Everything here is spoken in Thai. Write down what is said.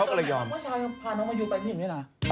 ว่าชายพาน้องมายูไปที่นี่เหมือนกันล่ะ